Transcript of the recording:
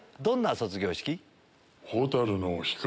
どんな卒業式？